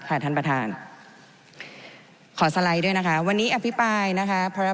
ท่านประธานขอสไลด์ด้วยนะคะวันนี้อภิปรายนะคะ